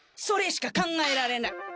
それしか考えられない！